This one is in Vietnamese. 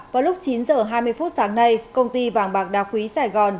vào lúc chín h hai mươi phút sáng nay công ty vàng bạc đa quý sài gòn